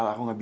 ya aku juga